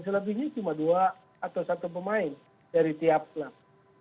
selebihnya cuma dua atau satu pemain dari tiap klub